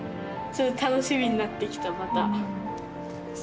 楽しみになってきたまた。